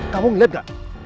kamu ngeliat gak